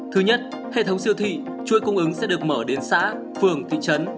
thứ nhất hệ thống siêu thị chuỗi cung ứng sẽ được mở đến xã phường thị trấn